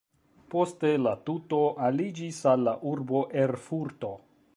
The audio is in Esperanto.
Poste la tuto aliĝis al la urbo Erfurto.